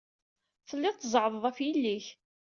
Tellid tzeɛɛḍed ɣef yelli-k.